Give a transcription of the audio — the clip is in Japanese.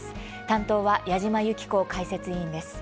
担当は矢島ゆき子解説委員です。